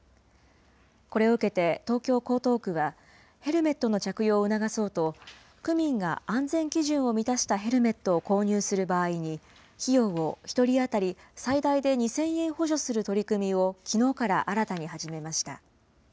これを受けて、東京・江東区は、ヘルメットの着用を促そうと、区民が安全基準を満たしたヘルメットを購入する場合に、費用を１人当たり最大で２０００円補助する取り組みを、きのうから新たに始めました。